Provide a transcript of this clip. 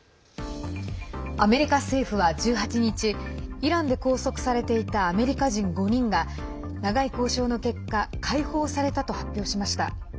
アメリカ政府は１８日イランで拘束されていたアメリカ人５人が長い交渉の結果解放されたと発表しました。